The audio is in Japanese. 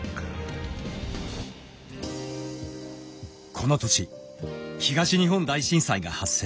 この年東日本大震災が発生。